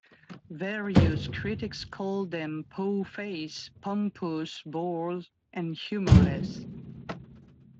Various critics called them "po-faced", "pompous bores", and "humourless".